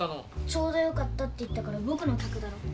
「ちょうどよかった」って言ったから僕の客だろう。